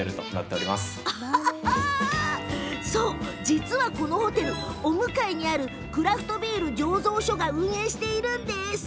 実はこのホテル、お向かいにあるクラフトビール醸造所が運営しているんです。